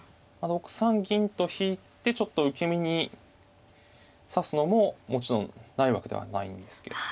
６三銀と引いてちょっと受け身に指すのももちろんないわけではないんですけど。